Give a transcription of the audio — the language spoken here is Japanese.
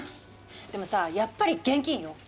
でもさあやっぱり現金よ。